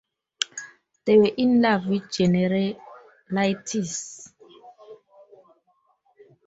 They were in love with generalities.